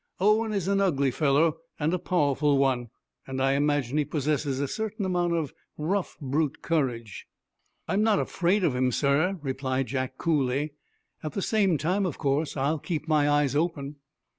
"Owen is an ugly fellow, and a powerful one, and I imagine he possesses a certain amount of rough brute courage." "I'm not afraid of him, sir," replied Jack, coolly. "At the same time, of course, I'll keep my eyes open."